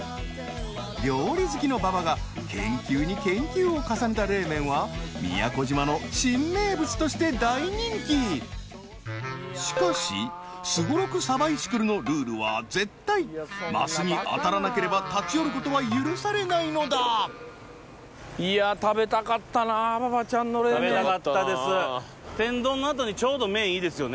料理好きの馬場が研究に研究を重ねた冷麺は宮古島の新名物として大人気しかし「すごろくサバイシクル」のルールは絶対マスに当たらなければ立ち寄ることは許されないのだ天丼のあとにちょうど麺いいですよね。